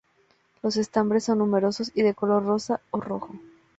Los estambres son numerosos y de color rosa o rojo.